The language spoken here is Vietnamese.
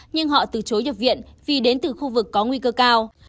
nhưng họ từ chối nhập viện vì đến từ khu vực có nguy cơ cao